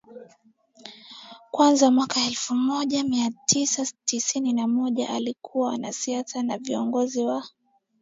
kwanza mwaka elfu moja mia tisa sitini na moja alikuwa mwanasiasa na kiongozi wa